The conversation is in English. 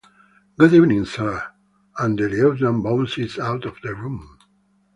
Good-evening, Sir!’ and the lieutenant bounced out of the room.